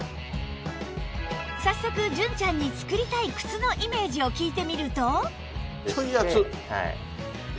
早速純ちゃんに作りたい靴のイメージを聞いてみると